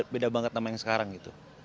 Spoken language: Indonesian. beda banget sama yang sekarang gitu